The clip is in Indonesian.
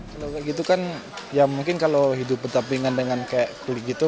kalau begitu kan ya mungkin kalau hidup bertampingan dengan kulit gitu